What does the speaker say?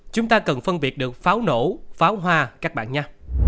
chúng ta cần phân biệt được pháo nổ pháo hoa các bạn nha